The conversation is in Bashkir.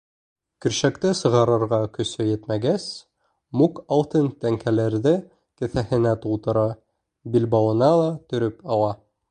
Көршәкте сығарырға көсө етмәгәс, Мук алтын тәңкәләрҙе кеҫәһенә тултыра, билбауына ла төрөп ала.